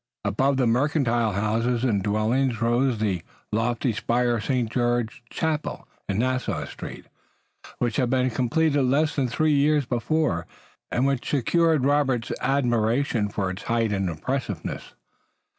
Above the mercantile houses and dwellings rose the lofty spire of St. George's Chapel in Nassau Street, which had been completed less than three years before, and which secured Robert's admiration for its height and impressiveness.